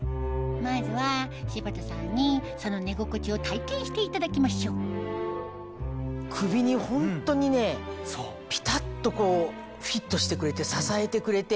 まずは柴田さんにその寝心地を体験していただきましょう首にホントにねピタっとこうフィットしてくれて支えてくれて。